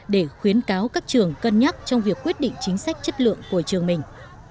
để khuyến cáo các trường cân nhắc trong việc quyết định chính sách chất lượng của trường mình